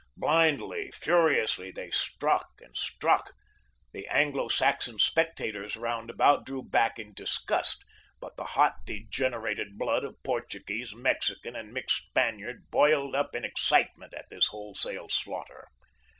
Blindly, furiously, they struck and struck. The Anglo Saxon spectators round about drew back in disgust, but the hot, degenerated blood of Portuguese, Mexican, and mixed Spaniard boiled up in excitement at this wholesale slaughter.